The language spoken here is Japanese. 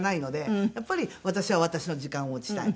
やっぱり私は私の時間を持ちたい。